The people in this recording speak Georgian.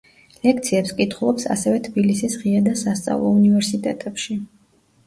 ლექციებს კითხულობს ასევე თბილისის ღია და სასწავლო უნივერსიტეტებში.